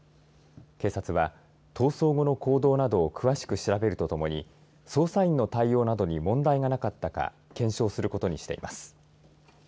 警察は逃走後の行動などを詳しく調べるとともに捜査員の対応などに問題がなかったか検証することにしています。